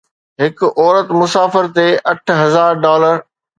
هڪ عورت مسافر تي اٺ هزار ڊالر